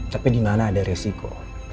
tapi di mana ada resiko